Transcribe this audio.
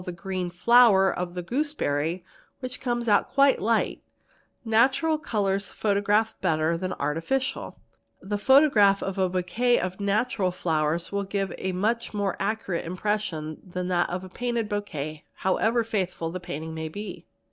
the green flower of the gooseberry which come out quite light; natural colours otograph better than artificial; the photograph of a bouquet of natural flowers will give a much more accurate impression than that of a painted bow quet however faithful the painting may be.